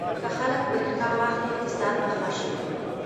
که خلک برېښنا واخلي اقتصاد به ښه شي.